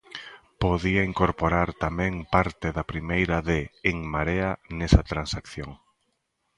Podía incorporar tamén parte da primeira de En Marea nesa transacción.